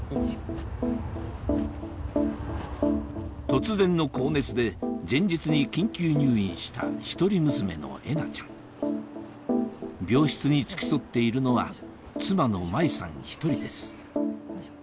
突然の高熱で前日に緊急入院した一人娘のえなちゃん病室に付き添っているのは妻の麻衣さん１人です